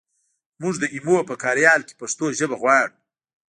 مونږ د ایمو په کاریال کې پښتو ژبه غواړو